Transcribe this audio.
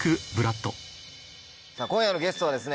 今夜のゲストはですね